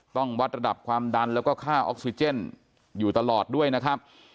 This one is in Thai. ต้องวัดระดับความดันแล้วก็ค่าออกซิเจนอยู่ตลอดด้วยนะครับ